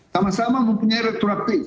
sama sama mempunyai retroaktif